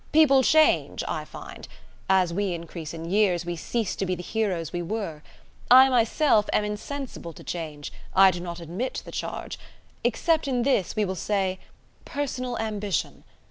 People change, I find: as we increase in years we cease to be the heroes we were. I myself am insensible to change: I do not admit the charge. Except in this we will say: personal ambition.